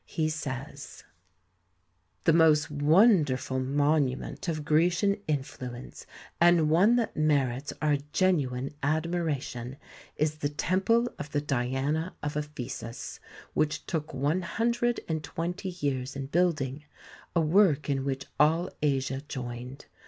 He says : The most wonderful monument of Grecian influ ence, and one that merits our genuine admiration, is the temple of the Diana of Ephesus, which took one hundred and twenty years in building, a work in which all Asia joined.